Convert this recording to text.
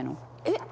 えっ！